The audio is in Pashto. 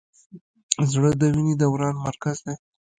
زړه د وینې دوران مرکز دی.